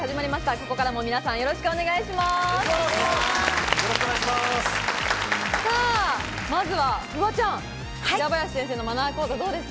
ここからも皆さん、よろしくお願いします。